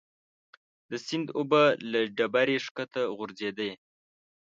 د سیند اوبه له ډبرې ښکته غورځېدې.